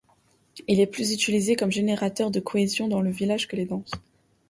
Il est plus utilisé comme générateur de cohésion dans le village que les danses.